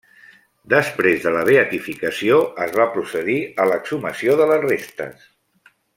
Després de la beatificació es va procedir a l'exhumació de les restes.